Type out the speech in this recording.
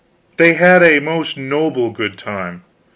They had a most noble good time.